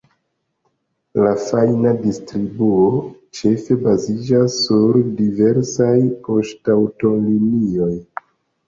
La fajna distribuo ĉefe baziĝas sur diversaj poŝtaŭtolinioj.